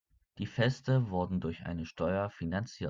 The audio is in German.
Die Feste wurden durch eine Steuer finanziert.